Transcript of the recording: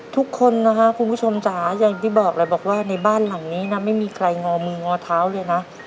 ทุกคนนะคะคุณผู้ชมจ๋าอย่างที่บอกเลยบอกว่าในบ้านหลังนี้นะไม่มีใครงอมืองอเท้าเลยนะ